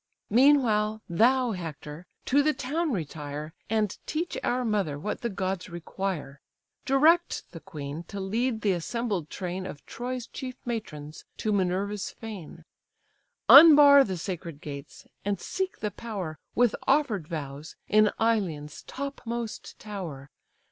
Meanwhile thou, Hector, to the town retire, And teach our mother what the gods require: Direct the queen to lead the assembled train Of Troy's chief matrons to Minerva's fane; Unbar the sacred gates, and seek the power, With offer'd vows, in Ilion's topmost tower.